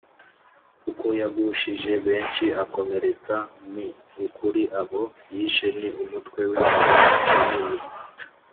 kuko yagushije benshi abakomeretsa, ni ukuri, abo yishe ni umutwe w’ingabo munini